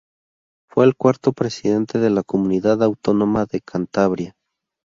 Fue el cuarto presidente de la comunidad autónoma de Cantabria.